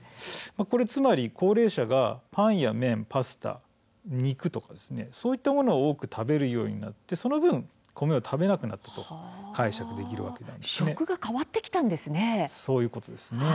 つまり高齢者がパンや麺、パスタ肉そういったものを多く食べるようになってその分、米を食べなくなったと食が変わってきたんですね。